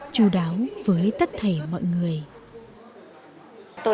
chú đáo với tất thể mọi người